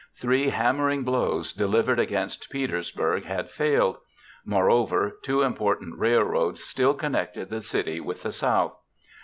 Three hammering blows delivered against Petersburg had failed. Moreover, two important railroads still connected the city with the South.